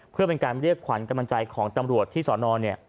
เพื่อเป็นการเรียกขวัญกำลังใจของตำรวจที่สอนอเนี่ย